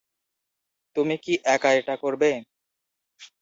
তুমি কি একা এটা করবে?